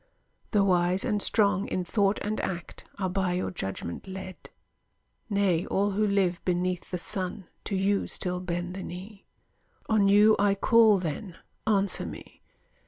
The wise and strong, in thought and act, are by Your judgment led; nay all who live Beneath the sun, to you still bend the knee. On you I call, then; answer me!